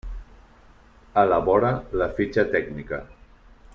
Elabora la fitxa tècnica.